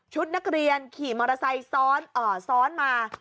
นักเรียนขี่มอเตอร์ไซค์ซ้อนมา